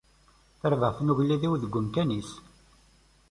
Tarbaɛt n ugellid-iw deg umkan-is.